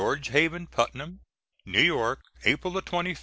HAVEN PUTNAM. NEW YORK, April 25, 1912.